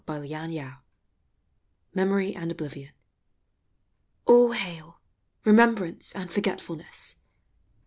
CHARLES DAWSON SHANLY. MEMORY AND OBLIVION. All hail, Remembrance and Forgetfulness